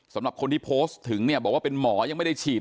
สำหรับคนที่โพสต์ถึงเนี่ยบอกว่าเป็นหมอยังไม่ได้ฉีด